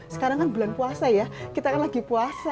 sekarang kan bulan puasa ya kita kan lagi puasa